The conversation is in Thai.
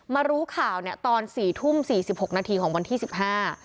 รู้ข่าวเนี้ยตอนสี่ทุ่มสี่สิบหกนาทีของวันที่สิบห้า